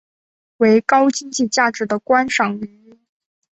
为高经济价值的观赏鱼。